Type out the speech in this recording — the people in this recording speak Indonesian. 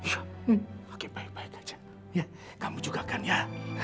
iya kakek baik baik aja kamu juga kan ya